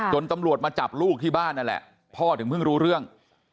ตำรวจมาจับลูกที่บ้านนั่นแหละพ่อถึงเพิ่งรู้เรื่อง